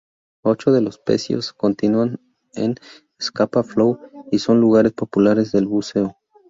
Ocho de los pecios continúan en Scapa Flow, y son lugares populares de buceo.